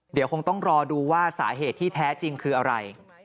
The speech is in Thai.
เดี๋ยวคงต้องรอดูว่าสาเหตุที่แท้จริงคืออะไร